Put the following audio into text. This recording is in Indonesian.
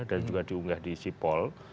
dan juga diunggah di sipol